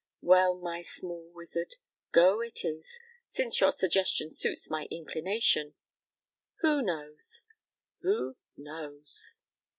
"Well, my small wizard, go it is, since your suggestion suits my inclination; who knows? who knows?"